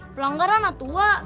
pelanggaran atuh wak